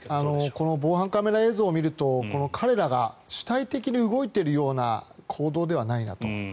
この防犯カメラ映像を見ると彼らが主体的に動いている行動ではないなと。